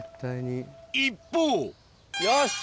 一方よし！